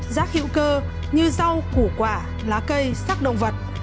rác hữu cơ như rau củ quả lá cây sắc động vật